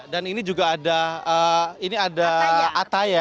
dan ini juga ada ataya